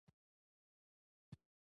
• سترګې د بدن د نورو ارګانونو سره اړیکه لري.